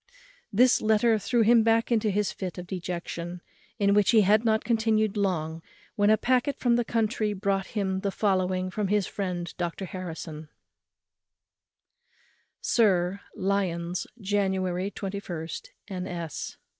This letter threw him back into his fit of dejection, in which he had not continued long when a packet from the country brought him the following from his friend Dr Harrison: "Sir, _Lyons, January 21, N. S.